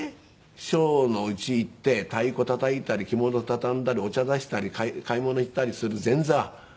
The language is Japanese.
師匠の家へ行って太鼓たたいたり着物畳んだりお茶出したり買い物へ行ったりする前座ねえ。